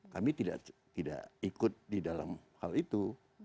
kami tidak ikut di dalam hal itu